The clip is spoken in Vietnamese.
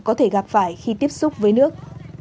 có thể gặp phải khi tiếp xúc với nước